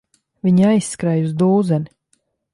Viņi aizskrēja uz dūzeni.